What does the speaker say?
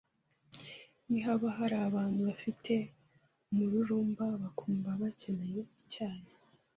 Nihaba hari abantu bafite umururumba bakumva bakeneye icyayi